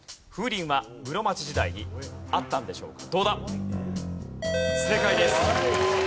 麦茶は室町時代にあったんでしょうか？